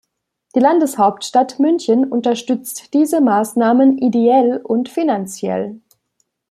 Die Landeshauptstadt München unterstützt diese Maßnahmen ideell und finanziell.